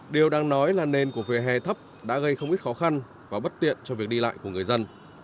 điều đang nói là nền của vỉa hè thấp đã gây không ít khó khăn và bất tiện cho việc đi lại của người dân